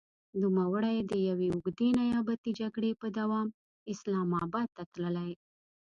نوموړی د يوې اوږدې نيابتي جګړې په دوام اسلام اباد ته تللی.